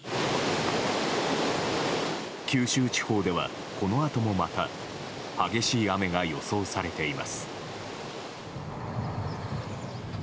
九州地方では、このあともまた激しい雨が予想されています。